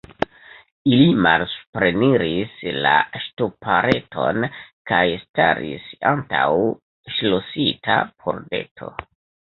Ili malsupreniris la ŝtupareton kaj staris antaŭ ŝlosita pordeto.